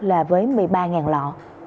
là với một mươi ba lọ